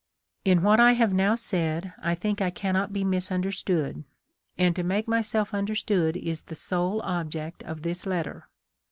" In what I have now said, I think I cannot be misunderstood ; and to make myself understood is the sole object of this letter.